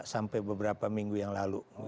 sampai beberapa minggu yang lalu